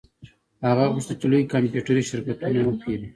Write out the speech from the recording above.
هغه غوښتل چې لوی کمپیوټري شرکتونه وپیري